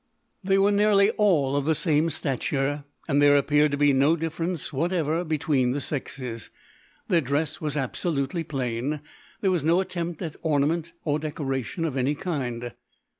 They were nearly all of the same stature, and there appeared to be no difference whatever between the sexes. Their dress was absolutely plain; there was no attempt at ornament or decoration of any kind.